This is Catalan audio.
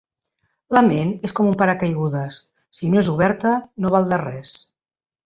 La ment és com un paracaigudes: si no és oberta no val de res.